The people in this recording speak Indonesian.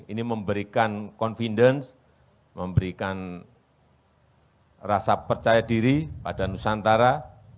ini memberikan confidence memberikan rasa percaya diri pada nusantara